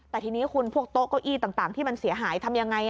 แต่ทีนี้คุณพวกโต๊ะเก้าอี้ต่างที่มันเสียหายทำยังไง